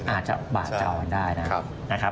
อาจบาทจะอนไว้ได้นะครับ